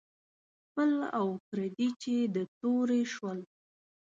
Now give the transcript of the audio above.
خپل او پردي چې د تورې شول.